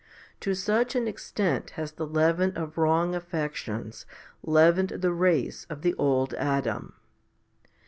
To such an extent has the leaven of wrong affections leavened the race of the old Adam.